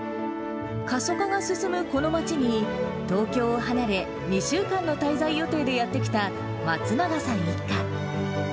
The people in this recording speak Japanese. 過疎化が進むこの町に、東京を離れ、２週間の滞在予定でやって来た松永さん一家。